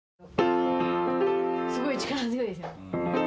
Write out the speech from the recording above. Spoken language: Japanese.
すごい力強いですね